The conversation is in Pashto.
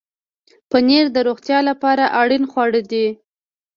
پنېر د روغتیا لپاره اړین خواړه دي.